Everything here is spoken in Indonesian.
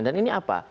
dan ini apa